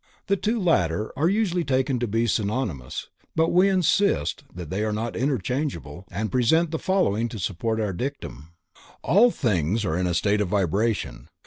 The two latter are usually taken to be synonymous, but we insist that they are not interchangeable and present the following to support our dictum. All things are in a state of vibration.